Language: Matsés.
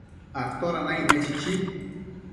¿toda naicne?chichi